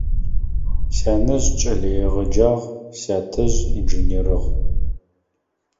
Сянэжъ кӏэлэегъэджагъ, сятэжъ инженерыгъ.